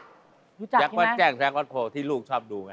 รู้จักใช่ไหมครับแยกวัดแจ้งแจ้งวัดโภที่ลูกชอบดูไง